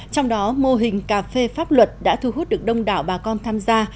trong đó mô hình cà phê pháp luật đã thu hút được đông đảo bà con tham gia